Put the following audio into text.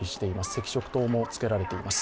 赤色灯もつけられています。